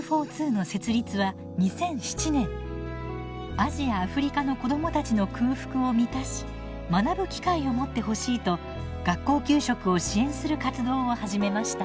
アジア・アフリカの子どもたちの空腹を満たし学ぶ機会を持ってほしいと学校給食を支援する活動を始めました。